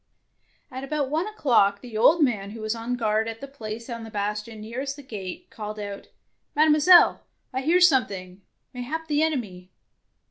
At about one o'clock the old man who was on guard at the place on the bastion near est the gate, called out, —" Mademoiselle, I hear something, mayhap the enemy."